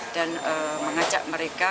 dan mengajak mereka